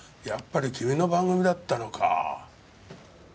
やっぱり君の番組だったのかぁ。